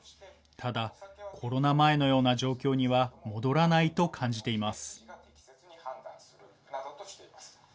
ただ、コロナ前のような状況には戻らないと感じています。